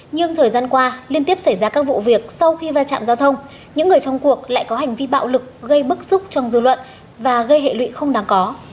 nhưng thời gian qua liên tiếp xảy ra các vụ việc sau khi va chạm giao thông những người trong cuộc lại có hành vi bạo lực gây bức xúc trong dư luận và gây hệ lụy không đáng có